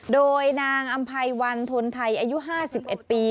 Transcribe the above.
โดยนางอำไพวันทนไทยอายุ๕๑ปี